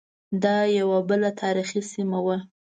دا یوه بله تاریخی سیمه وه.